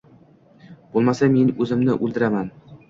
Boʻlmasa, men oʻzimni oʻldiraman.